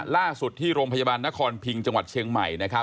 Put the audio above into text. ล่าสุดที่โรงพยาบาลนครพิงจังหวัดเชียงใหม่